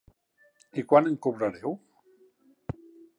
I quant em cobrareu?